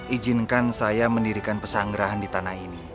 ijinkan saya mendirikan pesanggerahan di tanah ini